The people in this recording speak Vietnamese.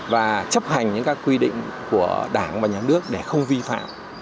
và chấp hành những các quy định của đảng và nhà nước để không vi phạm